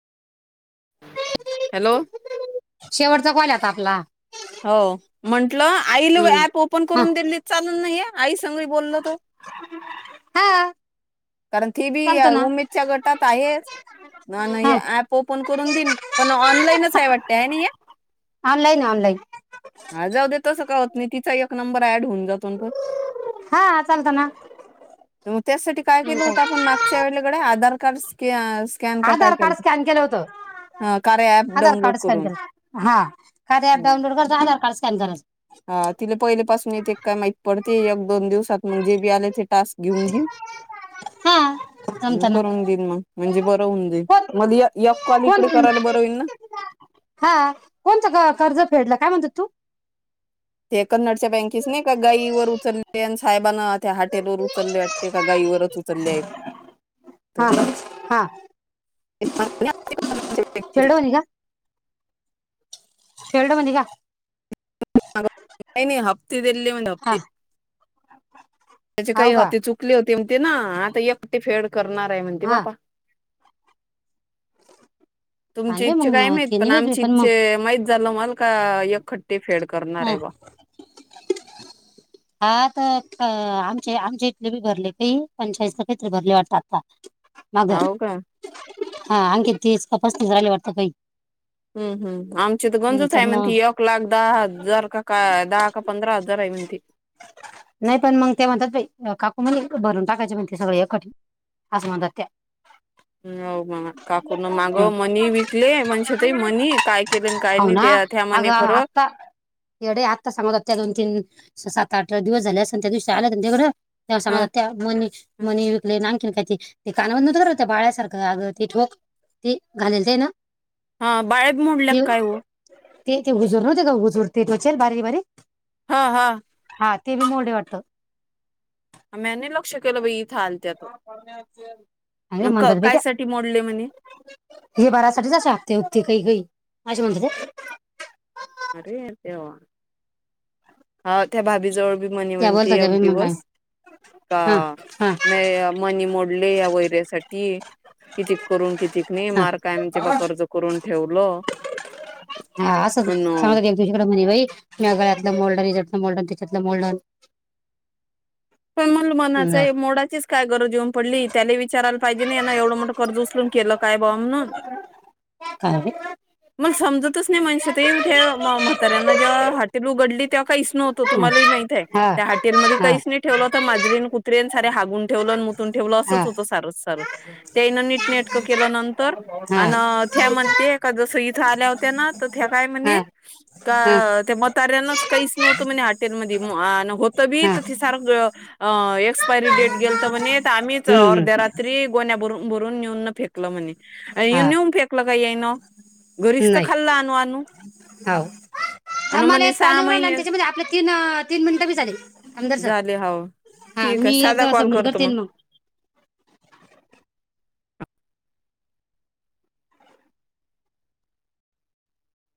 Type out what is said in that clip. Hello शेवटचा कोल्याता हला [unintelligible] हो म्हण आई ऍप ओपन हा करून दिली चाल नाहीे आई सग. बोललो तो. हा कारण ती बी चालतं ना उमेदच्या गटात आहे हा ऍप ओपन करून देन पण ऑनलाईनच आहे वाटते आहे ना या. ऑनलाईन ऑनलाईन हा जाऊ दे तसं का होत नाही तिचा एक नंबर ऍड होऊन जातो ना पण. हा चालतं ना ग त्यासाठी काय केलं होत आपण मागच्या वेळेला गड्या आधार. कसक आधार कार्ड स्कॅन केलं होत कार्य app Aadhaar download card scan करून केलं हा ख प डाउनलोड कर आधार कार्ड स्कॅन झालं हा तिला पहिले पासून येते काय माहती पडते एक दोन दिवसात मग जेी आले ते टास्क घेऊन घे हा जमतं ना करून देईन मग म्हणजे बर होऊन देईल कोण मग या कॉल कोण इकडे करायला बर होईल ना हा कोणतं क- कर्ज फेडलं काय म्हणतो तू ते कन्नडच्या बँकेस नाही का गाईवर उचलले साहेबांना त्या हाटेलवर उचलले वाटते का गाईवर. हा हा. [unintelligible] खढो नि का? शेलड म्हणज का? नाही नाही ह. हा [inaudible] त्याची हो काही का होती चुकली होती म्हणते ना आता एकटी फेड करणार आहे म्हणते हा बापा. तुमची आणले इच्छा काय मग माहित ते नाही पण मी आमची मग इच्छा माहित [inaudible] का एकखट्टी फेड करणार हा हाय बा. [inaudible] [unintelligible] हो का [unintelligible] [inaudible] [inaudible] हम्म, तर मग [unintelligible] [inaudible] [inaudible] हम्म, हो म काकून मागं मनी विकले मनशेताई मनी काय केले न काय हो नाही ना त्या त्या आग म्हणे खरं आत्ता येडे आत्ता सांग दोन तीन साथ आठ दिवस झाल असल त्या दिशी आला न तिकड? ह [unintelligible] मणी मणी विकले [unintelligible] हा, बाळ्या मोडल्या ते का काय हो? ते हुजूर हुजूर नवते का टोचले बारीक बारीक ह ह ते बी मोडे वाटत [unintelligible] म्या नाही लक्ष केलं बाई इथं आलत्या अशे म्हणत तो काय साठी मोडले म्हणे होते अरे त्या त्या भाभी जवळ मणी त्या म्हणती बोलतात त्या एक बाई मग काय दिवस का हा हा मणी मोडले या त्यासाठी ती कितीक करू अन् कितीक नाही हा मार कायमच बा कर्ज करून ठेवलं. हा अस [unintelligible] अन म्या गड्यातल मोड हे मोड अन् त्याच्यातल मोड पण मला म्हणाचय मोडायची गरज काय येऊन पडली? त्याले विचारायला पाहिजे ना यान येवढं मोठ कर्ज उचलून केलं काय बो म्हणून काय बे? मला समजतच नाही मनिषा ताई त्या म्हाताऱ्यानं जेव्हा हॉटेल उघडली [inaudible] नव्हत, हा तुम्हाला बी माहित य हा त्या हॉटेलमधी हा काहीच नाही ठेवलं होत, माजरीन कुत्रेन सारे हगून ठेवलं मु ठेवलं हा असच होत सारच सार त्याईनं नीट नेटक केल नंतर हा हा अन त्या म्ह ते का जस इथं आल्या होत्या ना तर त्या काय म्हणे हा का ते म ऱ्यांनाच काहीच नव्हतं म्हणे हाटेलमध्ये अन होतं बी हा एक्सपायरी डेट गेलत म्हणे आम्हीच हम्म अर्ध्या हम्म रात्री गोन्याभरू भरून न्यू फेकल म्हणेव, य हा नेऊन फेकल का यायन घरीच तर नाही खाल्ल आणू आणू हो आणि थांबाला मणे एक कॉल सहा येऊन राहिला आणि महिनेस त्याच्यामध्ये आपले तीन तीन मिनिटं बी झाले आमदार सर झाले. हाव हा ठीक मी आहे, साधा एकदा कॉल सबमिट करतो करते म न मग